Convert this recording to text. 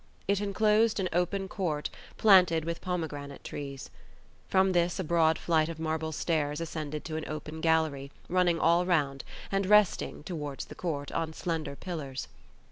It enclosed an open court planted with pomegranate trees. From this a broad flight of marble stairs ascended to an open gallery, running all round and resting, towards the court, on slender pillars.